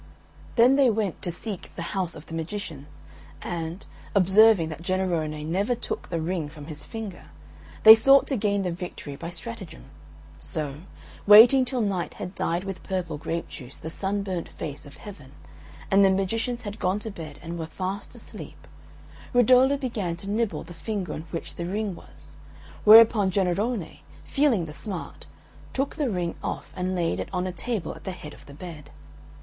Then they went to seek the house of the magicians, and, observing that Jennarone never took the ring from his finger, they sought to gain the victory by stratagem. So, waiting till Night had dyed with purple grape juice the sunburnt face of Heaven, and the magicians had gone to bed and were fast asleep, Rudolo began to nibble the finger on which the ring was, whereupon Jennarone, feeling the smart, took the ring off and laid it on a table at the head of the bed.